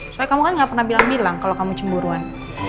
supaya kamu kan gak pernah bilang bilang kalau kamu cemburuan